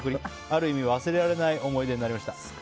ある意味忘れられない思い出になりました。